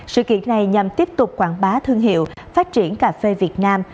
sự kiện này nhằm tiếp tục quảng bá thương hiệu phát triển cà phê việt nam